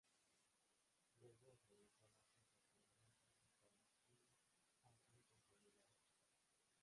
Luego regresó a las islas Canarias a dedicar más tiempo a asuntos familiares.